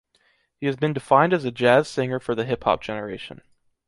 He has been defined as a jazz singer for the hip-hop generation.